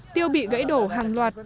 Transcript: tiêu bị gãy đổ hàng loạt